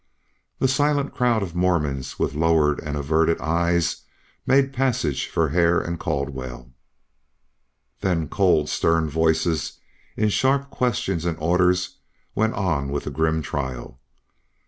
The silent crowd of Mormons with lowered and averted eyes made passage for Hare and Caldwell. Then cold, stern voices in sharp questions and orders went on with the grim trial.